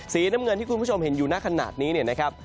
สีน้ำเงินที่คุณผู้ชมเห็นอยู่หน้าขนาดนี้เนี่ยนะครับ